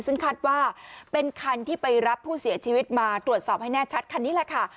ซึ่งคาดว่าเป็นคันที่ไปรับผู้เสียชีวิตมาตรวจสอบให้แน่ชัดคันนี้แหละค่ะ